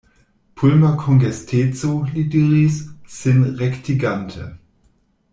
Pulma kongesteco, li diris, sin rektigante.